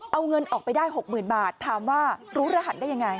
เอาเงินออกไปได้๖๐๐๐บาทถามว่ารู้รหัสได้ยังไง